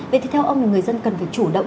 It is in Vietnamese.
vậy thì theo ông thì người dân cần phải chủ động